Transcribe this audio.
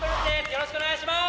よろしくお願いします。